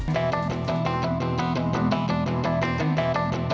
สวัสดีครับ